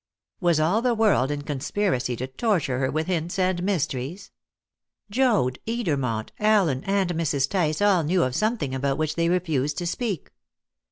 Was all the world in conspiracy to torture her with hints and mysteries? Joad, Edermont, Allen and Mrs. Tice all knew of something about which they refused to speak.